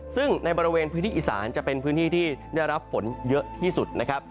ซึ่งในบริเวณพื้นที่อีสานจะเป็นพื้นที่ที่ได้รับฝนเยอะที่สุดนะครับ